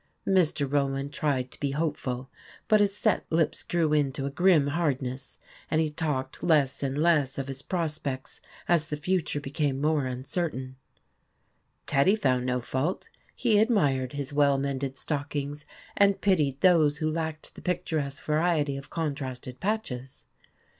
Mr. Rowland tried to be hopeful, but his set lips grew into a grim hardness ; and he talked less and less of his prospects as the future became more uncertain. Teddy found no fault. He admired his well mended stockings, and pitied those who lacked the picturesque variety of contrasted patches.